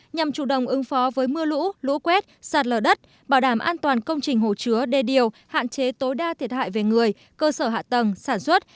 nhằm chủ động ứng phó với mưa lũ lũ quét sạt lở đất bảo đảm an toàn công trình hồ chứa đe điều hạn chế tối đa thiệt hại về người cơ sở hạ tầng sản xuất